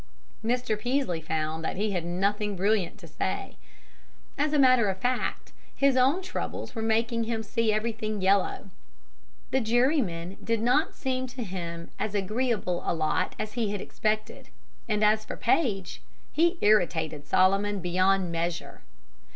Mr. Peaslee found that he had nothing brilliant to say. As a matter of fact, his own troubles were making him see everything yellow. The jurymen did not seem to him as agreeable a lot as he had expected, and as for Paige, he irritated Solomon beyond measure.